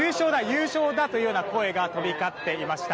優勝だ！というような声が飛び交っていました。